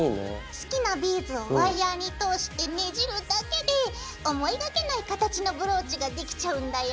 好きなビーズをワイヤーに通してねじるだけで思いがけない形のブローチができちゃうんだよ！